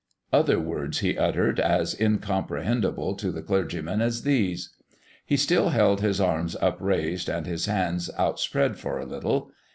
Other words he uttered, as uncomprehendable to the clergymen as these. He still held his arm upraised and his hand outspread for a little.